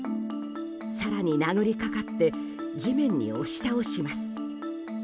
更に殴りかかって地面に押し倒します。